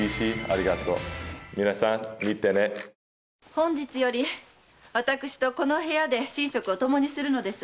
本日より私とこの部屋で寝食を共にするのです。